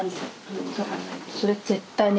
それ絶対ね